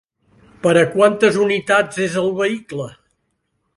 Per a quantes unitats és el vehicle?